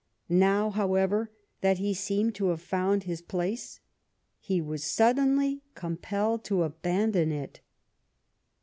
Now, however, that he seemed to have found his place, he was suddenly compelled to abandon it.